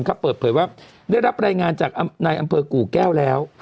ก็เปิดเผยว่าได้รับรายงานจากนายอำเภอกู่แก้วแล้ว